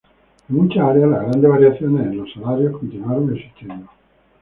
En muchas áreas, las grandes variaciones en los salarios continuaron existiendo.